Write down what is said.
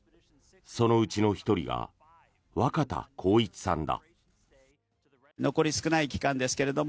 そのうちの１人が若田光一さんだ。